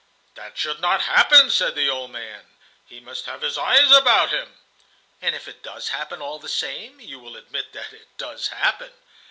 "That should not happen," said the old man. "He must have his eyes about him." "And if it does happen, all the same? You will admit that it does happen?"